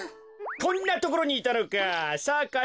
こんなところにいたのか。